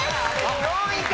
４位か。